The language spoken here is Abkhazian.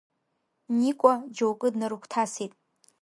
Никәа џьоукы днарыгәҭасит.